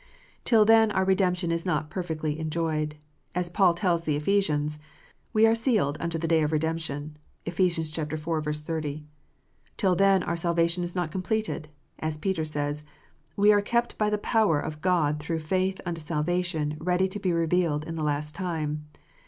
Till then our redemption is not perfectly enjoyed ; as Paul tells the Ephesians, " We are sealed unto the day of redemption." (Eph. iv. 30.) Till then our salvation is not completed; as Peter says, "We are kept by the power of God through faith unto salvation ready to be revealed in the last time."